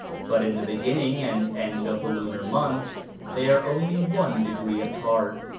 But in the beginning and end of the lunar month they are only one degree apart.